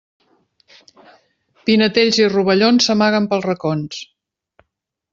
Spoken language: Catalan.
Pinetells i rovellons s'amaguen pels racons.